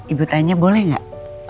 ibu tanya boleh gak